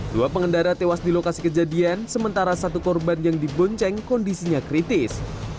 dua pengendara tewas di lokasi kejadian sementara satu korban yang dibonceng kondisinya kritis